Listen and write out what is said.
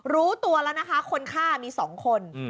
รู้ตัวแล้วนะคะคนฆ่ามี๒คน